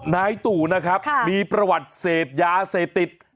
นายตู่นะครับมีประวัติเสพยาเสพติด